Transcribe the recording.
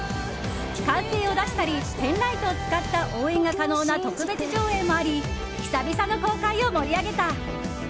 歓声を出したりペンライトを使った応援が可能な特別上映もあり久々の公開を盛り上げた。